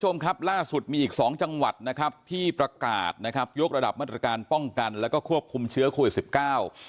คุณผู้ชมครับล่าสุดมีอีกสองจังหวัดนะครับที่ประกาศนะครับยกระดับมาตรการป้องกันแล้วก็ควบคุมเชื้อโควิดสิบเก้า